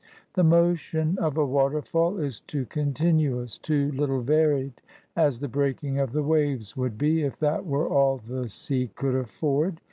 The motion of a waterfall is too con tinuous, — ^too little varied, — as the breaking of the waves would be, if that were all the sea could afford.